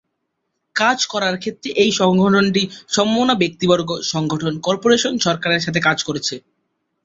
কাজ করার ক্ষেত্রে এই সংগঠনটি সমমনা ব্যক্তিবর্গ, সংগঠন, কর্পোরেশন, সরকারের সাথে কাজ করছে।